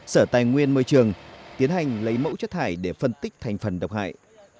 sở tài nguyên môi trường tiến hành lấy mẫu chất thải để phân tích thành phần độc hại